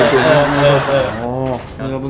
ห้ัด